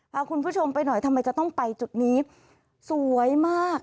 พาคุณผู้ชมไปหน่อยทำไมจะต้องไปจุดนี้สวยมาก